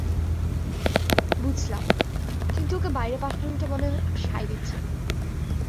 বুঝলাম, কিন্তু ওকে বাইরে পাঠানোটা মনে সায় দিচ্ছে না।